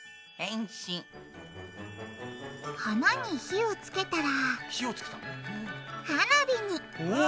花に火をつけたら花火にあきれい！